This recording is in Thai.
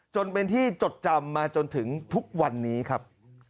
จนเป็นที่จดจำมาจนถึงทุกวันนี้ครับ